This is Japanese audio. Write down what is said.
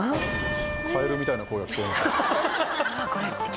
カエルみたいな声が聞こえました。